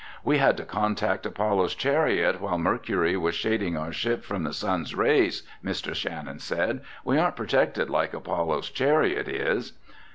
"We had to contact Apollo's Chariot while Mercury was shading our ship from the sun's rays," Mr. Shannon said. "We aren't protected like Apollo's Chariot is."